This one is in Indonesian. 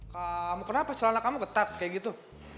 kamu kenapa celana kamu ketat kayak gitu